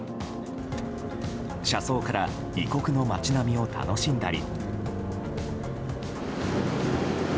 車窓から異国の街並みを楽しんだり。